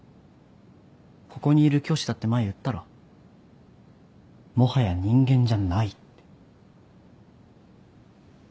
ここにいる教師だって前言ったろ「もはや人間じゃない」って。